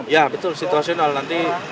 ya betul situasional nanti